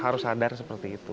harus sadar seperti itu